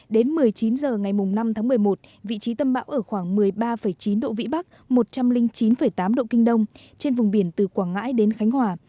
đến một mươi chín h ngày năm tháng một mươi một vị trí tâm bão ở khoảng một mươi ba chín độ vĩ bắc một trăm linh chín tám độ kinh đông trên vùng biển từ quảng ngãi đến khánh hòa